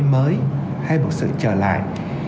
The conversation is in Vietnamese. mới hay một sự trở lại